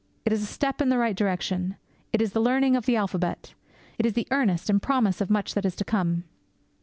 It is a step in the right direction. It is the learning of the alphabet. It is the earnest and promise of much that is to come.